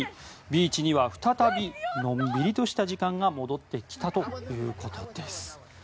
ビーチには再びのんびりとした時間が戻ってきたということです。